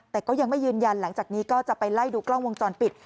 แต่ก็ยังไม่ยืนยันหลังจากนี้ก็จะไปไล่ดูกล้องวงจรปิด